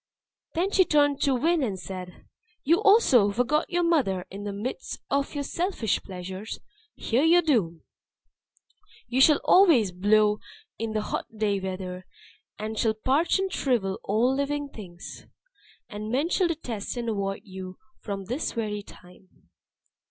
Then she turned to Wind and said, "You also who forgot your mother in the midst of your selfish pleasures hear your doom. You shall always blow in the hot dry weather, and shall parch and shrivel all living things. And men shall detest and avoid you from this very time."